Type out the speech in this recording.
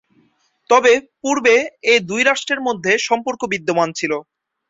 তবে পূর্বে এ দুই রাষ্ট্রের মধ্যে সম্পর্ক বিদ্যমান ছিল।